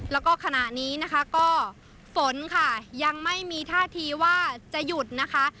แล้วก็ขณะนี้นะคะก็ฝนค่ะยังไม่มีท่าทีว่าจะหยุดนะคะ